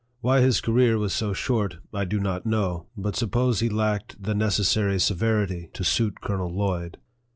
Why his career was so short, I do not know, but suppose he lacked the necessary severity to suit Colonel Lloyd.